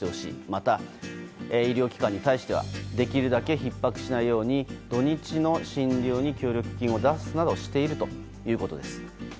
また、医療機関に対してはできるだけひっ迫しないように土日の診療に協力金を出すなどしているということです。